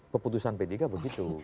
keputusan p tiga begitu